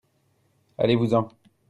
Allez-vous en !